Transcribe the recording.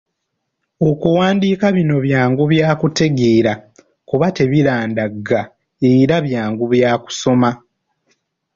Okuwandiika bino byangu bya kutegeera kuba tebirandagga era byangu bya kusoma.